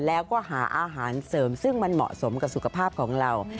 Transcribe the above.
แล้วก็หาอาหารเสริมซึ่งมันเหมาะสมกับสุขภาพของเรา